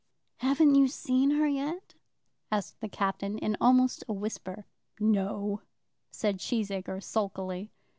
"Haven't you seen her yet?" asked the Captain almost in a whisper. "No," said Cheesacre sulkily.